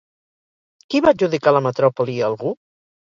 Qui va adjudicar la metròpoli a algú?